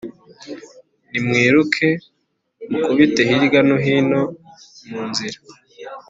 Nimwiruke mukubite hirya no hino mu nzira